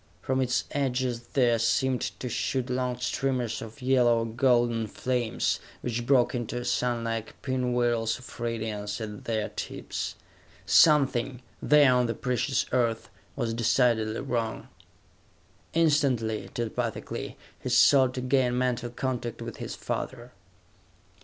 From its edges there seemed to shoot long streamers of yellow or golden flames, which broke into sunlike pinwheels of radiance at their tips. Something, there on the precious Earth, was decidedly wrong! Instantly, telepathically, he sought to gain mental contact with his father.